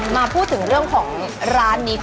มาพูดถึงเรื่องของร้านนี้